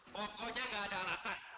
pokoknya gak ada alasan